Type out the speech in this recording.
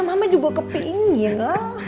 mama juga kepengenlah